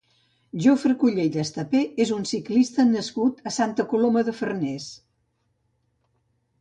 Jofre Cullell Estapé és un ciclista nascut a Santa Coloma de Farners.